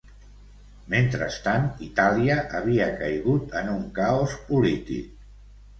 Mentrestant, Itàlia havia caigut en un caos polític.